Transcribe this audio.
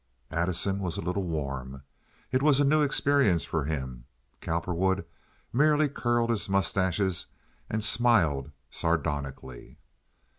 Addison was a little warm. It was a new experience for him. Cowperwood merely curled his mustaches and smiled sardonically.